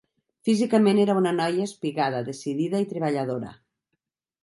Físicament era una noia espigada, decidida i treballadora.